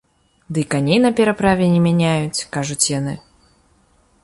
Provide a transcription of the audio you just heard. Дый каней не пераправе не мяняюць, кажуць яны.